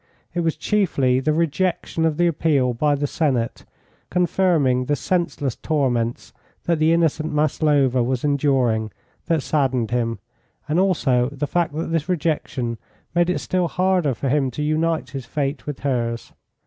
It was chiefly the rejection of the appeal by the Senate, confirming the senseless torments that the innocent Maslova was enduring, that saddened him, and also the fact that this rejection made it still harder for him to unite his fate with hers.